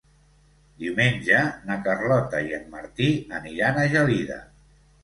Diumenge na Carlota i en Martí aniran a Gelida.